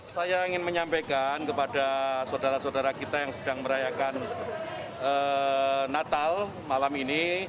saya ingin menyampaikan kepada saudara saudara kita yang sedang merayakan natal malam ini